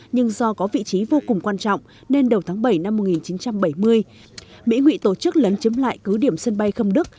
nhưng do có vị trí vô cùng quan trọng nên đầu tháng bảy năm một nghìn chín trăm bảy mươi mỹ ngụy tổ chức lấn chiếm lại cứ điểm sân bay khâm đức